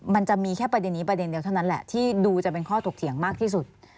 มันจะมีแค่ประเด็นนี้ประเด็นเดียวเท่านั้นแหละที่ดูจะเป็นข้อถกเถียงมากที่สุด